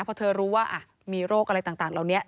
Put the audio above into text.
พอเธอรู้ว่ามีโรคอะไรต่างเหล่านี้